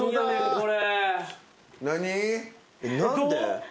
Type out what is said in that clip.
これ。